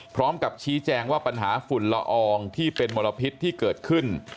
พร้อมกับชี้แจงว่าปัญหาฝุ่นละอองที่เป็นมลพิษที่เกิดขึ้น